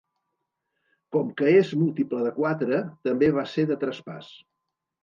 Com que és múltiple de quatre, també va ser de traspàs.